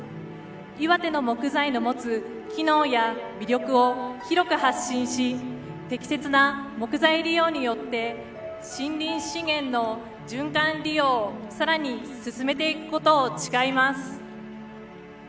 岩手の木材の持つ機能や魅力を広く発信し適切な木材利用によって森林資源の循環利用を更に進めていくことを誓います。